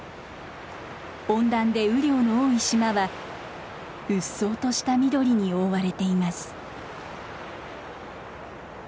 温暖で雨量の多い島はうっそうとした緑に覆われています。